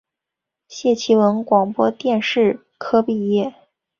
谢其文广播电视科毕业。